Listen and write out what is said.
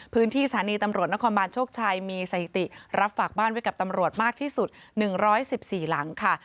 สถานีตำรวจนครบาลโชคชัยมีสถิติรับฝากบ้านไว้กับตำรวจมากที่สุด๑๑๔หลังค่ะ